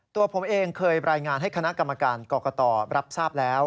ตัวผมเองเคยรายงานให้คณะกรรมการกรกตรับทราบแล้ว